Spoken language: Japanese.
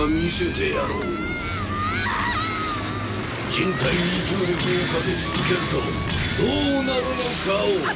人体に重力をかけ続けるとどうなるのかを。